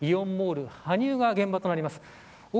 イオンモール羽生が現場となります。